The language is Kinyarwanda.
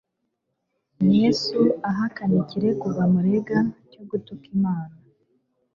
Yesu ahakana ikirego bamuregaga cyo gutuka Imana.